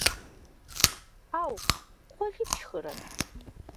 Ӏэу, кхъуэли фшхырэт?